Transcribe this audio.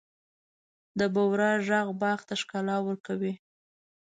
د بورا ږغ باغ ته ښکلا ورکوي.